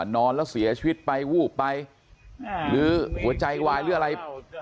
นอนแล้วเสียชีวิตไปวูบไปหรือหัวใจวายหรืออะไร